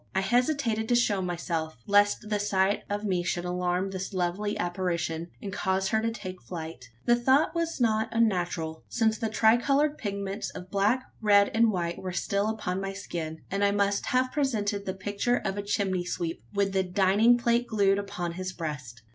I hesitated to show myself lest the sight of me should alarm this lovely apparition, and cause her to take flight. The thought was not unnatural since the tricoloured pigments of black, red, and white were still upon my skin; and I must have presented the picture of a chimney sweep with a dining plate glued upon his breast.